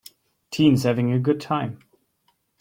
Teens having a good time.